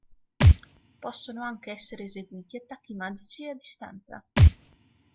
Possono anche essere eseguiti attacchi magici e a distanza.